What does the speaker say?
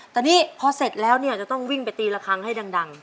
แต่นี่พอเสร็จแล้วเนี่ยจะต้องวิ่งไปตีละครั้งให้ดัง